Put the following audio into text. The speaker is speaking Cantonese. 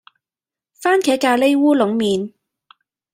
番茄咖哩烏龍麵